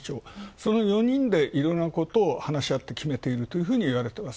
その４人でいろんなことを話し合って決めているというふうにいわれています。